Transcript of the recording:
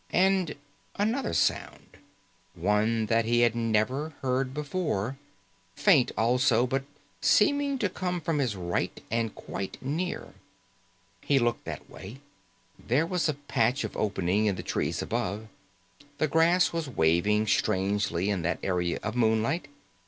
And another sound one that he had never heard before faint, also, but seeming to come from his right and quite near. He looked that way, and there was a patch of opening in the trees above. The grass was waving strangely in that area of moonlight.